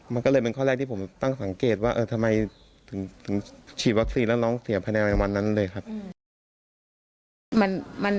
มันก็เลยเป็นข้อแรกที่ผมตั้งสังเกตว่าทำไมถึงฉีดวัคซีนแล้วน้องเสียภายในวันนั้นเลยครับ